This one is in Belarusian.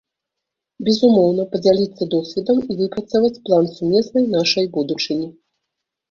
Безумоўна, падзяліцца досведам і выпрацаваць план сумеснай нашай будучыні.